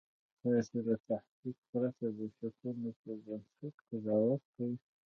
تاسې له تحقیق پرته د شکونو پر بنسټ قضاوت کوئ